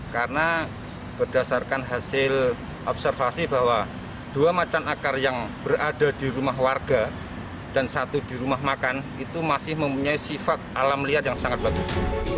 karena berdasarkan hasil observasi bahwa dua macan akar yang berada di rumah warga dan satu di rumah makan itu masih mempunyai sifat alam liar yang sangat bagus